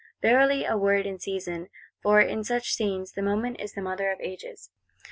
Verily a word in season; for, in such scenes, the moment is the mother of ages!